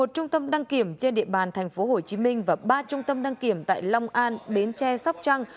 một trung tâm đăng kiểm trên địa bàn tp hcm và ba trung tâm đăng kiểm tại long an bến tre sóc trăng